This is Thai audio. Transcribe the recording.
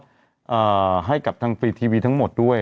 มันต้องมีการถ่ายทอดให้กับทางฟรีทีวีทั้งหมดด้วย